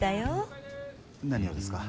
何をですか？